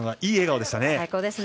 いい笑顔でしたね。